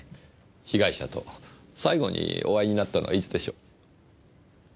被害者と最後にお会いになったのはいつでしょう？